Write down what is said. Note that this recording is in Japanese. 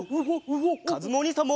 かずむおにいさんも。